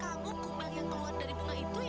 kamu perikumbang yang keluar dari menara itu ya